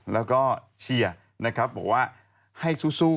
ไม่รู้ว่าสิ